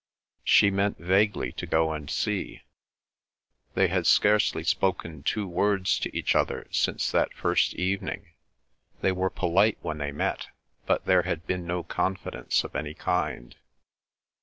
She meant vaguely to go and see. They had scarcely spoken two words to each other since that first evening; they were polite when they met, but there had been no confidence of any kind.